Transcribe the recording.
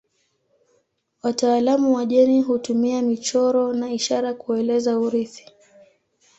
Wataalamu wa jeni hutumia michoro na ishara kueleza urithi.